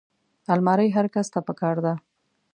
الماري هر کس ته پکار ده